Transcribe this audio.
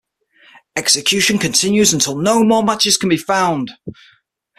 Execution continues until no more matches can be found.